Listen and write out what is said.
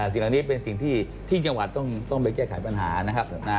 สิ่งเหล่านี้เป็นสิ่งที่จังหวัดต้องไปแก้ไขปัญหานะครับ